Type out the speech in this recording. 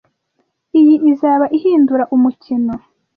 Iyi izaba ihindura umukino.